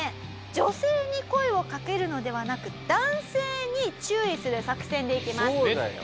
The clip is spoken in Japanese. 女性に声をかけるのではなく男性に注意する作戦でいきます。